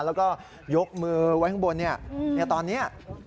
แล้วก็ยกมือไว้ข้างบนตอนนี้